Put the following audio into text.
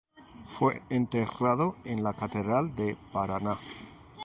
Fue enterrado en la Catedral de Paraná.